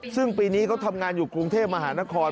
ซึ่งปีนี้เขาทำงานอยู่กรุงเทพมหานคร